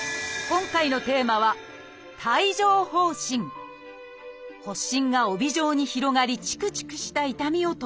今回のテーマは発疹が帯状に広がりチクチクした痛みを伴います。